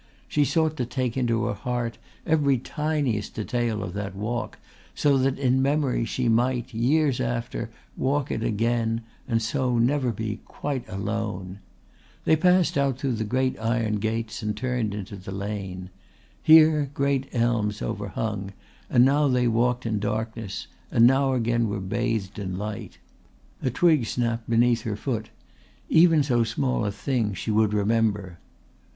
She sought to take into her heart every tiniest detail of that walk so that in memory she might, years after, walk it again and so never be quite alone. They passed out through the great iron gates and turned into the lane. Here great elms overhung and now they walked in darkness, and now again were bathed in light. A twig snapped beneath her foot; even so small a thing she would remember.